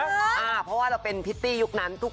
เพราะว่าเราเป็นพริตตี้ยุคนั้น